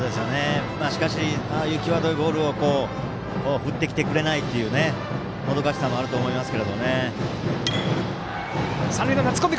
しかしああいう際どいボールを振ってきてくれないっていうもどかしさもあると思いますけど。